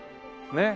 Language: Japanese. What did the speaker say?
ねっ。